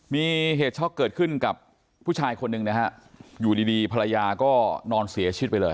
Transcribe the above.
มีเหตุช็อกเกิดขึ้นกับผู้ชายคนหนึ่งนะฮะอยู่ดีดีภรรยาก็นอนเสียชีวิตไปเลย